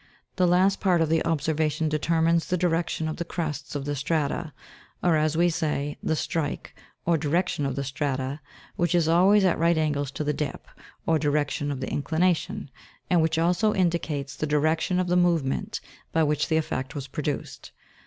The last part of the observation determines the direction of the crests of the strata, or, as we say, the strike or direction of the strata, which is always at right angles to the dip or direction of the inclination, and which also indicates the direction of the movement by which the effect was produced.